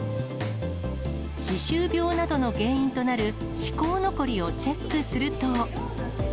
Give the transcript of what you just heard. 歯周病などの原因となる歯垢残りをチェックすると。